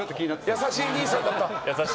優しい兄さんだった。